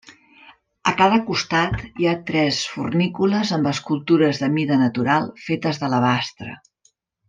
A cada costat hi ha tres fornícules amb escultures de mida natural fetes d'alabastre.